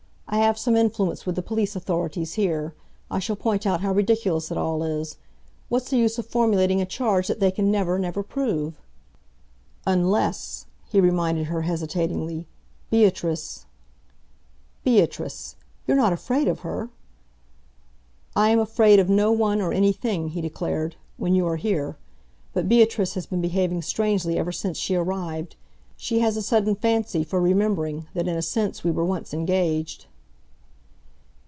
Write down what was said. I have some influence with the police authorities here. I shall point out how ridiculous it all is. What's the use of formulating a charge that they can never, never prove?" "Unless," he reminded her hesitatingly, "Beatrice " "Beatrice! You're not afraid of her?" "I am afraid of no one or anything," he declared, "when you are here! But Beatrice has been behaving strangely ever since she arrived. She has a sudden fancy for remembering that in a sense we were once engaged."